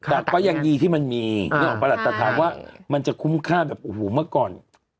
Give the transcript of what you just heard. แต่ก็ยังดีที่มันมีนึกออกปะล่ะแต่ถามว่ามันจะคุ้มค่าแบบโอ้โหเมื่อก่อน